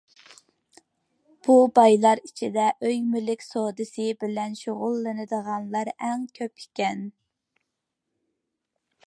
بۇ بايلار ئىچىدە ئۆي- مۈلۈك سودىسى بىلەن شۇغۇللىنىدىغانلار ئەڭ كۆپ ئىكەن.